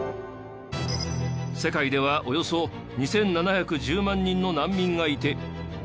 世界ではおよそ２７１０万人の難民がいて。